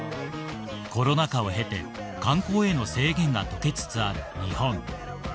コロナ禍を経て観光への制限が解けつつある日本